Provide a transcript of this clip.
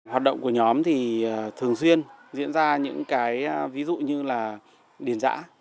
hoạt động của nhóm thì thường xuyên diễn ra những cái ví dụ như là điền giã